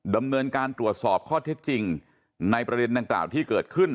ดำเนินการตรวจสอบข้อเท็จจริงในประเด็นดังกล่าวที่เกิดขึ้น